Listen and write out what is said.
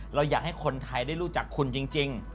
เราอยากให้คนไทยได้รู้จักคุณจริง